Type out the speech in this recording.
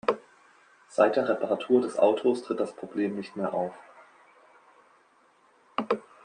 Seit der Reparatur des Autos tritt das Problem nicht mehr auf.